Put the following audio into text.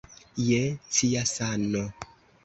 Je cia sano!